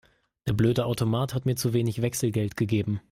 Der blöde Automat hat mir zu wenig Wechselgeld gegeben.